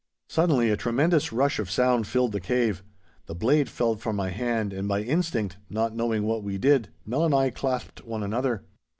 Suddenly a tremendous rush of sound filled the cave. The blade fell from my hand, and by instinct, not knowing what we did, Nell and I clasped one another.